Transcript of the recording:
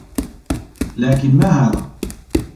لكن ما هذا؟